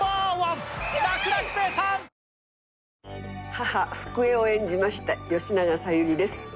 母福江を演じました吉永小百合です。